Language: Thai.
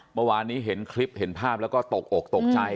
เมื่อวานนี้เห็นคลิปเห็นภาพแล้วก็ตกอกตกใจ